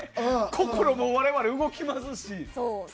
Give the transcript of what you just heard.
心も我々動きますし。